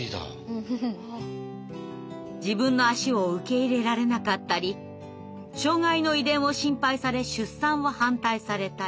自分の足を受け入れられなかったり障害の遺伝を心配され出産を反対されたり。